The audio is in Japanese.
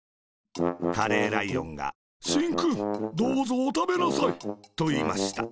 カレーライオンが「しんくん、どうぞおたべなさい。」と、いいました。